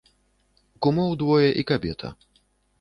Кумоў двое і кабета.